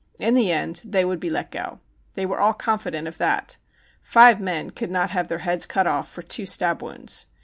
In the end they would be let go. They were all confident of that. Five men could not have their heads cut off for two stab wounds.